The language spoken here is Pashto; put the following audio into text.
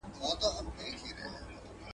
ته دوست پیدا که، دښمن پخپله پیدا کیږي ,